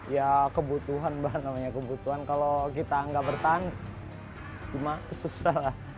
ya kebutuhan bahan namanya kebutuhan kalau kita nggak bertahan cuma susah lah